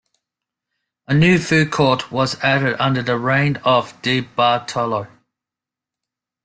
A new food court was added under the reign of DeBartolo.